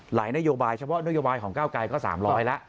หลายนโยบายเฉพาะนโยบายของเก้าไกรก็๓๐๐ละ